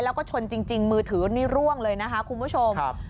แล้วก็ชนจริงมือถือนี่ร่วงเลยนะคะคุณผู้ชม